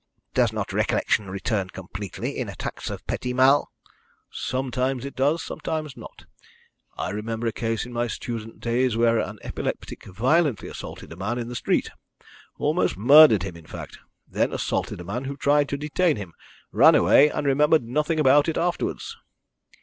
"Does not recollection return completely in attacks of petit mal?" "Sometimes it does; sometimes not. I remember a case in my student days where an epileptic violently assaulted a man in the street almost murdered him in fact then assaulted a man who tried to detain him, ran away, and remembered nothing about it afterwards."